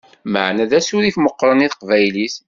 Meεna d asurif meqqren i teqbaylit!